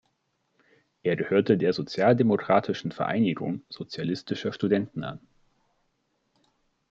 Er gehörte der sozialdemokratischen Vereinigung sozialistischer Studenten an.